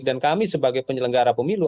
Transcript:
dan kami sebagai penyelenggara pemilu